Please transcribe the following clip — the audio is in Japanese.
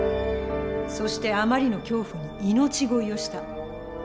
そしてあまりの恐怖に命乞いをした。